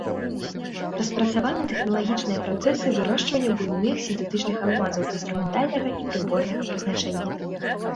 Распрацаваны тэхналагічныя працэсы вырошчвання буйных сінтэтычных алмазаў інструментальнага і прыборнага прызначэння.